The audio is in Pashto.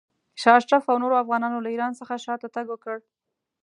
شاه اشرف او نورو افغانانو له ایران څخه شاته تګ وکړ.